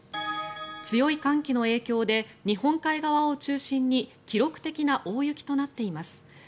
強い寒気の影響で日本海側を中心に記録的な大雪となっています。